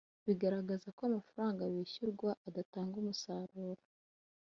bigaragaza ko amafaranga bishyurwa adatanga umusaruro